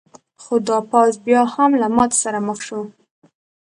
خو دا پوځ بیا هم له ماتې سره مخ شو.